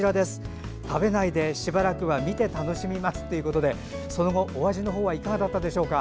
食べないで、しばらく見て楽しみますということでその後、お味の方はいかがだったでしょうか。